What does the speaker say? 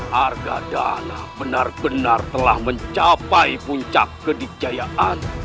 harga dana benar benar telah mencapai puncak kedikjayaan